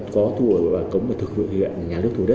có thu hút và cống và thực hiện nhà nước thu hút đất